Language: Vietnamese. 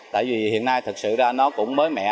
tại vì hiện nay thật sự ra nó cũng mới mẻ